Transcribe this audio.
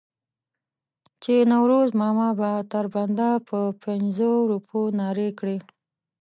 چې نوروز ماما به تر بنده په پنځو روپو نارې کړې.